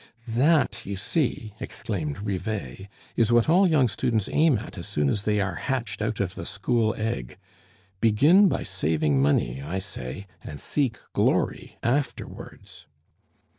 "That, you see," exclaimed Rivet, "is what all young students aim at as soon as they are hatched out of the school egg. Begin by saving money, I say, and seek glory afterwards."